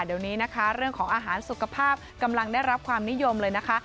เดี๋ยวนี้นะคะเรื่องของอาหารสุขภาพกำลังได้รับความนิยมเลยนะคะ